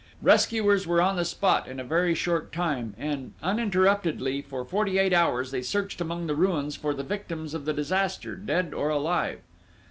] Rescuers were on the spot in a very short time, and uninterruptedly, for forty eight hours, they searched among the ruins for the victims of the disaster, dead or alive.